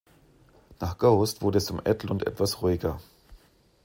Nach "Ghost" wurde es um Edlund etwas ruhiger.